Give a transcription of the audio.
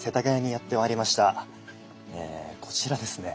こちらですね